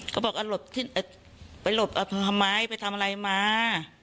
เขาบอกไปหลบทำไมไปทำอะไรมา